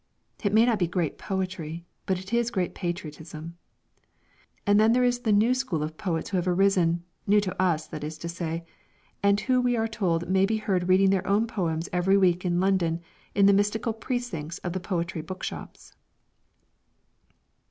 It may not be great poetry, but it is great patriotism. And then there is the new school of poets who have arisen new to us, that is to say and who we are told may be heard reading their own poems every week in London in the mystical precincts of the poetry bookshops.